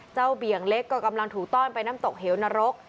เบี่ยงเล็กก็กำลังถูกต้อนไปน้ำตกเหวนรก